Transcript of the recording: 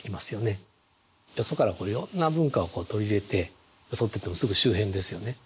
よそからいろんな文化を取り入れてそうといってもすぐ周辺ですよね。